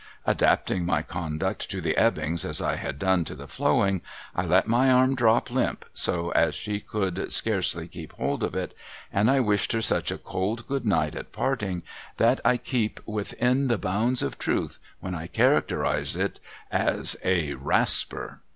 Adapting my conduct to the ebbing, as I had done to the flowing, I let my arm drop limp, so as she could scarcely keep hold of it, and I wished her such a cold good night at parting, that I keep within the bounds of truth when I characterise it as a Rasper.